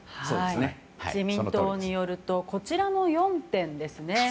自民党によるとこちらの４点ですね。